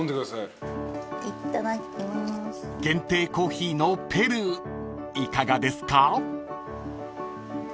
［限定コーヒーのペルーいかがですか？］